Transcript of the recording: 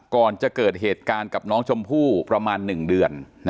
ก่อนจะเกิดเหตุการณ์กับน้องชมพู่ประมาณ๑เดือน